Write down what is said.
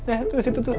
eh tuh situ tuh